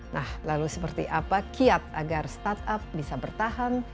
nah lalu seperti apa kiat agar startup bisa bertahan